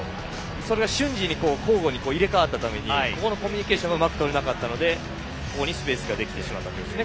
それが瞬時に入れ替わったためにそのコミュニケーションがうまくとれなくてスペースができてしまったと。